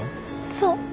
そう。